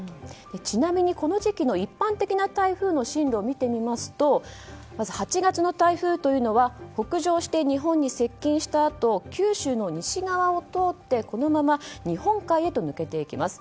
ちなみにこの時期の一般的な台風の進路を見てみますと８月の台風は、北上して日本に接近したあと九州の西側を通ってこのまま日本海へ抜けていきます。